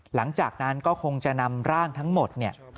หลังจากนั้นก็คงจะนำร่างทั้งหมดเนี่ย